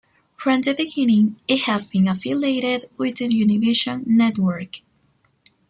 From the beginning, it has been affiliated with the Univision network.